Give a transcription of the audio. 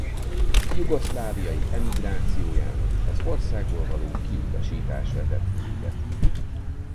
Jugoszláviai emigrációjának az országból való kiutasítás vetett véget.